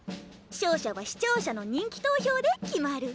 勝者は視聴者の人気投票で決まる。